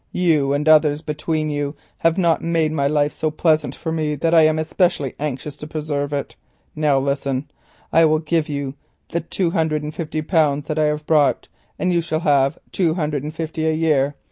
You and others between you have not made my life so pleasant for me that I am especially anxious to preserve it. Now, listen. I will give you the two hundred and fifty pounds that I have brought, and you shall have the two hundred and fifty a year.